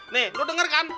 nih lo denger kan